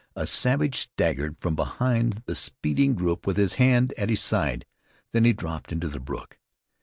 A savage staggered from behind the speeding group with his hand at his side. Then he dropped into the brook.